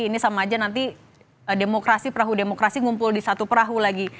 ini sama aja nanti demokrasi perahu demokrasi ngumpul di satu perahu lagi